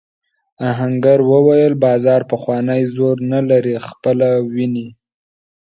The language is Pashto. آهنګر وویل بازار پخوانی زور نه لري خپله وینې.